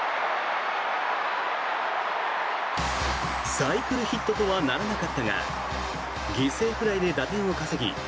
サイクルヒットとはならなかったが犠牲フライで打点を稼ぎ